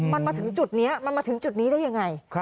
มันมาถึงจุดนี้มันมาถึงจุดนี้ได้ยังไง